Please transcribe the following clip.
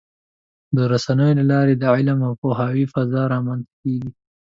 د رسنیو له لارې د علم او پوهاوي فضا رامنځته کېږي.